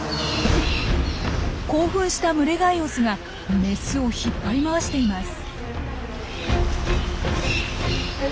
興奮した群れ外オスがメスを引っ張り回しています。